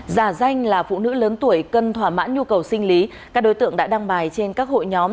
giả danh là phụ nữ lớn tuổi cần thỏa mãn nhu cầu sinh lý các đối tượng đã đăng bài trên các hội nhóm